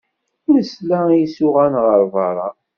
Nesla i isuɣan ɣer berra.